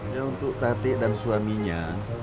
ya untuk tatik dan suaminya